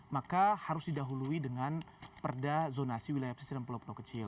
maka harus didahului dengan perda zonasi wilayah pesisir dan pulau pulau kecil